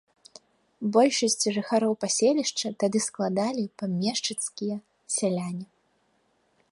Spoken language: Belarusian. Большасць жыхароў паселішча тады складалі памешчыцкія сяляне.